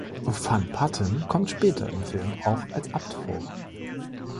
Van Patten kommt später im Film auch als Abt vor.